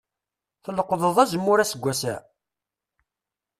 Tleqḍeḍ azemmur aseggas-a?